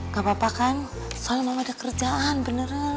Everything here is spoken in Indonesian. gapapa kan soalnya mama ada kerjaan beneran